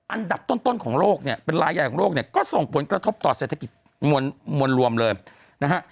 อันดับต้นของโลกเนี่ยเป็นรายใหญ่ของโลกเนี่ยก็ส่งผลกระทบต่อเศรษฐกิจมวลรวมเลยนะฮะ